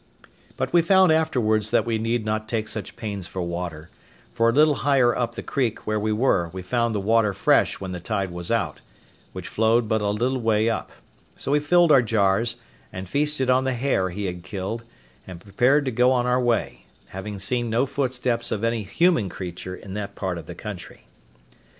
But we found afterwards that we need not take such pains for water, for a little higher up the creek where we were we found the water fresh when the tide was out, which flowed but a little way up; so we filled our jars, and feasted on the hare he had killed, and prepared to go on our way, having seen no footsteps of any human creature in that part of the country.